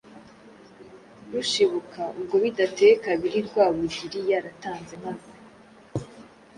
rushibuka ubwo. Bidateye kabiri Rwabugili yaratanze maze